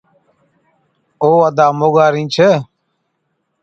او ادا موڳا رِينڇ۔